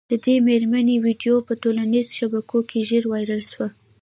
د دې مېرمني ویډیو په ټولنیزو شبکو کي ژر وایرل سوه